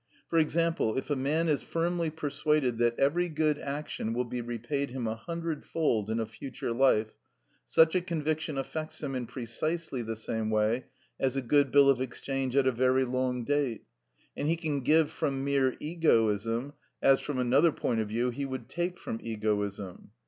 For example, if a man is firmly persuaded that every good action will be repaid him a hundredfold in a future life, such a conviction affects him in precisely the same way as a good bill of exchange at a very long date, and he can give from mere egoism, as from another point of view he would take from egoism.